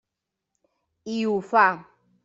I ho fa.